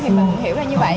thì mình hiểu là như vậy